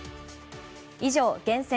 以上、厳選！